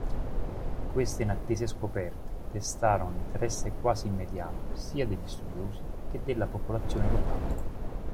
Queste inattese scoperte destarono l'interesse quasi immediato sia degli studiosi che della popolazione locale.